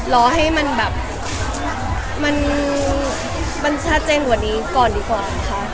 รอให้มันแบบมันชัดเจนกว่านี้ก่อนดีกว่าค่ะ